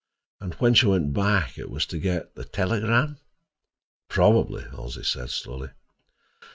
"And when she went back, it was to get—the telegram?" "Probably," Halsey said slowly.